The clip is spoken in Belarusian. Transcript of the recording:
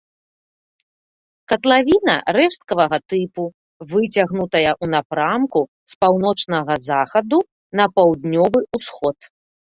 Катлавіна рэшткавага тыпу, выцягнутая ў напрамку з паўночнага захаду на паўднёвы ўсход.